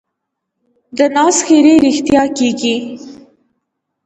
د ناز ښېرې رښتیا کېږي.